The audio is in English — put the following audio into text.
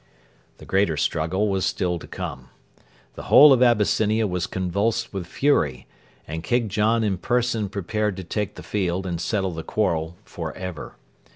The greater struggle was still to come. The whole of Abyssinia was convulsed with fury, and King John in person prepared to take the field and settle the quarrel for ever.